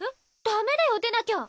ダメだよ出なきゃ。